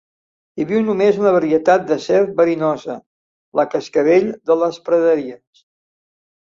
Hi viu només una varietat de serp verinosa, la cascavell de les praderies